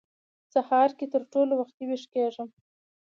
سهار کې تر ټولو وختي وېښ کېږم.